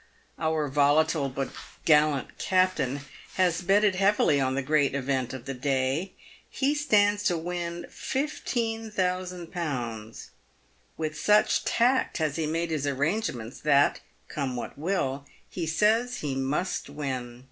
Our volatile but gallant captain has betted heavily on the great event of the day. He stands to win 15,000Z. "With such tact has he made his arrangements, that, come what will, he says he must win.